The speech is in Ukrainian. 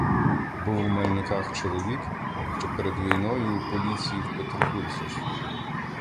Був у Мельниках чоловік, що перед війною у поліції в Петербурзі служив.